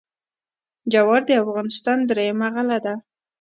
جوار د افغانستان درېیمه غله ده.